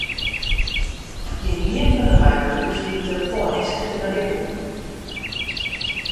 Gjinien fan de meiwurkers wie telefoanysk te berikken.